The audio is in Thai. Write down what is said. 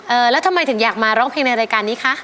แล้วทำไมถึงอยากมาร้องเพลงในรายการนี้คะ